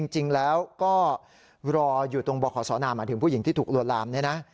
จริงแล้วก็รออยู่ตรงบขสนาหมายถึงผู้หญิงที่ถูกลวนลามเนี่ยนะ